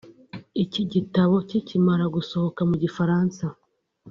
Iki gitabo kikimara gusohoka mu Gifaransa